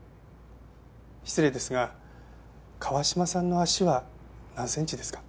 失礼ですが川嶋さんの足は何センチですか？